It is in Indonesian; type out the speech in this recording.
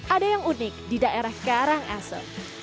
ada yang unik di daerah karangasem